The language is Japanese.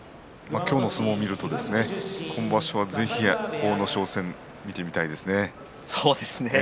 今日の相撲を見てみると今場所はぜひ阿武咲戦を見てみたいですね。